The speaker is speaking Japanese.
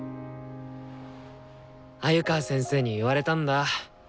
鮎川先生に言われたんだ。